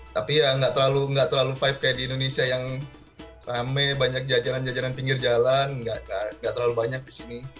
tapi ya nggak terlalu vibes kayak di indonesia yang rame banyak jajanan jajanan pinggir jalan nggak terlalu banyak disini